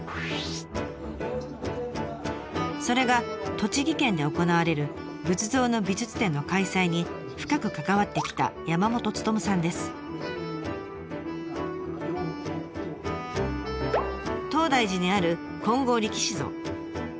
それが栃木県で行われる仏像の美術展の開催に深く関わってきた東大寺にある金剛力士像。